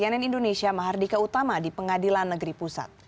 cnn indonesia mahardika utama di pengadilan negeri pusat